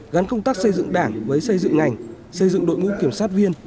gắn công tác xây dựng đảng với xây dựng ngành xây dựng đội ngũ kiểm sát viên